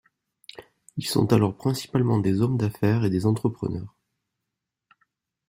Ils sont alors principalement des hommes d'affaires et des entrepreneurs.